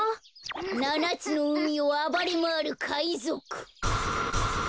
ななつのうみをあばれまわるかいぞく